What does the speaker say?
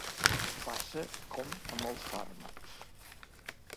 Passa com amb els fàrmacs.